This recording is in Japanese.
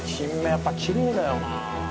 やっぱりきれいだよな。